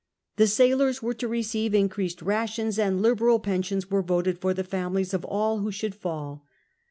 The sailors were to receive increased rations, and liberal pensions were voted for the families of all who should fall.